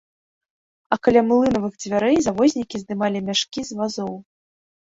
А каля млынавых дзвярэй завознікі здымалі мяшкі з вазоў.